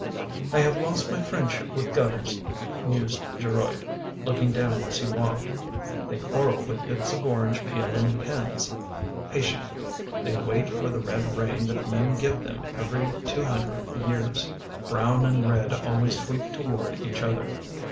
" I have lost my friendship with gutters," mused Geroid, looking down as he walked. "They quarrel with bits of orange peel and pins. Patiently they wait for the red rain that men give them every two hundred years. Brown and red always sweep toward each other.